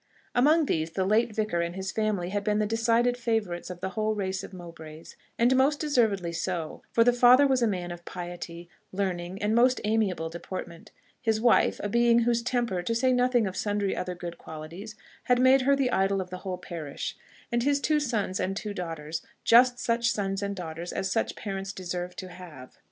Among these, the late Vicar and his family had been the decided favourites of the whole race of Mowbrays, and most deservedly so; for the father was a man of piety, learning, and most amiable deportment; his wife, a being whose temper, to say nothing of sundry other good qualities, had made her the idol of the whole parish; and his two sons and two daughters, just such sons and daughters as such parents deserved to have.